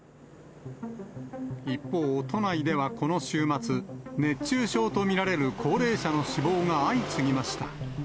一方、都内ではこの週末、熱中症と見られる高齢者の死亡が相次ぎました。